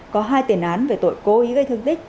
có hai tiền án về tội cố ý gây thương tích